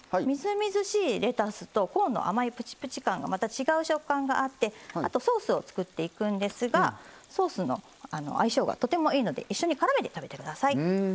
みずみずしいレタスと甘いコーンのプチプチ感が違う食感があってあとソースを作っていくんですがソースの相性がとてもいいので一緒にからめて食べてください。